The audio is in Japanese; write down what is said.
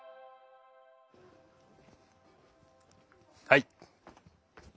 はい。